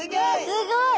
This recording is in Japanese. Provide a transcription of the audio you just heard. すごい！